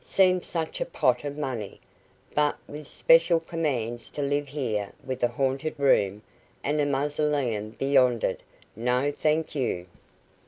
"Seemed such a pot of money; but with special commands to live here with a haunted room, and a mausoleum beyond it no, thank you."